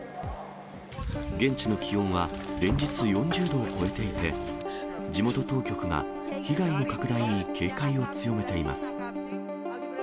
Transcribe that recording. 現地の気温は連日４０度を超えていて、地元当局が被害の拡大に警戒を強めています。